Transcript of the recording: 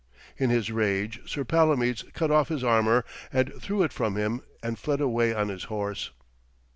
In his rage Sir Palomides cut off his armour and threw it from him and fled away on his horse.